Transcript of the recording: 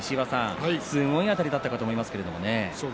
すごいあたりだったと思いますけれどもね。